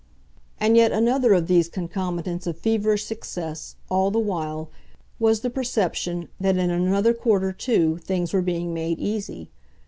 And yet another of these concomitants of feverish success, all the while, was the perception that in another quarter too things were being made easy.